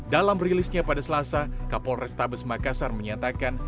dalam rilisnya pada selasa kapol restabes makassar menyatakan